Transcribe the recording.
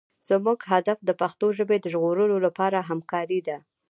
زموږ هدف د پښتو ژبې د ژغورلو لپاره همکارۍ دي.